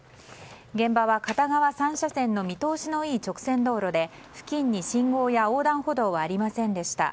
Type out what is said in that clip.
現場は、片側３車線の見通しのいい直線道路で付近に信号や横断歩道はありませんでした。